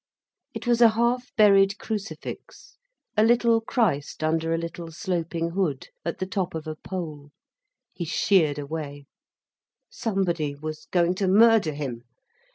It was a half buried Crucifix, a little Christ under a little sloping hood, at the top of a pole. He sheered away. Somebody was going to murder him.